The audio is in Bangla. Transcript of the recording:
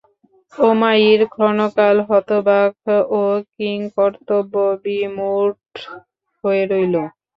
উমাইর ক্ষণকাল হতবাক ও কিংকর্তব্যবিমূঢ় হয়ে রইল।